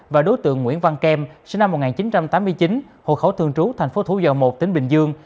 và đối tượng nguyễn văn kem sinh năm một nghìn chín trăm tám mươi chín hộ khẩu thường trú thành phố thủ dầu một tỉnh bình dương